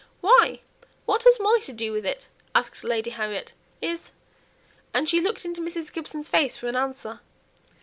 "Why, what has Molly to do with it?" asked Lady Harriet. "Is ?" and she looked into Mrs. Gibson's face for an answer.